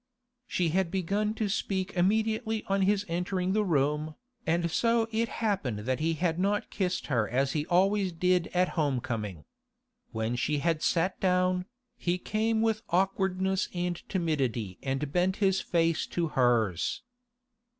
She had begun to speak immediately on his entering the room, and so it happened that he had not kissed her as he always did at home coming. When she had sat down, he came with awkwardness and timidity and bent his face to hers.